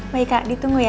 baik kak ditunggu ya